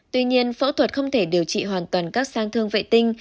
tuy nhiên phẫu thuật không thể điều trị hoàn toàn các sang thương vệ tinh